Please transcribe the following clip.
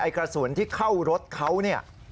กระสุนที่เข้ารถเขาเนี่ย